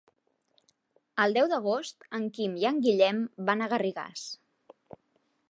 El deu d'agost en Quim i en Guillem van a Garrigàs.